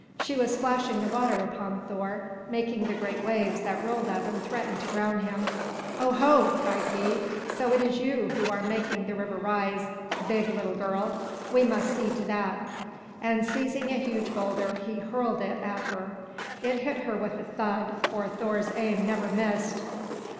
She was splashing the water upon Thor, making the great waves that rolled up and threatened to drown him. "Oho!" cried he. "So it is you who are making the river rise, big little girl. We must see to that;" and seizing a huge boulder, he hurled it at her. It hit her with a thud, for Thor's aim never missed.